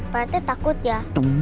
pak rete takut ya